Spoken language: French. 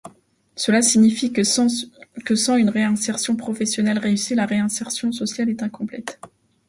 Cela signifie que sans une réinsertion professionnelle réussie, la réinsertion sociale est incomplète.